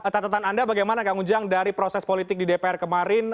catatan anda bagaimana kang ujang dari proses politik di dpr kemarin